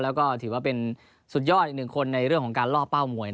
แล้วก็ถือว่าเป็นสุดยอดอีกหนึ่งคนในเรื่องของการล่อเป้ามวย